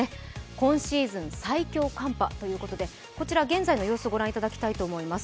今シーズン最強寒波ということでこちら現在の様子をご覧いただきたいと思います。